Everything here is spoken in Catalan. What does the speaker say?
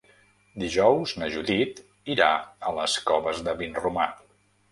Dijous na Judit irà a les Coves de Vinromà.